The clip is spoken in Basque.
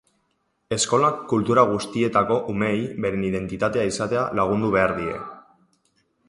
Eskolak kultura guztietako umeei beren identitatea izaten lagundu behar die.